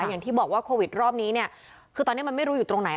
อย่างที่บอกว่าโควิดรอบนี้เนี่ยคือตอนนี้มันไม่รู้อยู่ตรงไหน